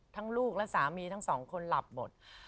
ลูกและสามีทั้งสองคนหลับหมด